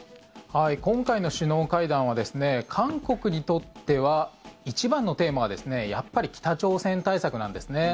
今回の首脳会談は韓国にとっては一番のテーマはやっぱり北朝鮮対策なんですね。